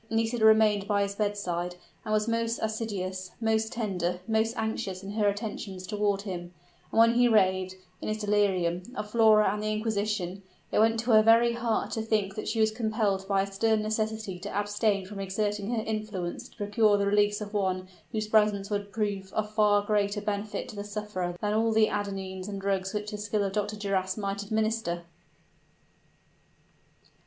Nisida remained by his bedside, and was most assiduous most tender most anxious in her attentions toward him; and when he raved, in his delirium, of Flora and the inquisition, it went to her very heart to think that she was compelled by a stern necessity to abstain from exerting her influence to procure the release of one whose presence would prove of far greater benefit to the sufferer than all the anodynes and drugs which the skill of Dr. Duras might administer!